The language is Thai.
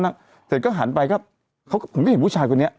แต่ก็หันไปครับผมก็เห็นผู้ชายคนนี้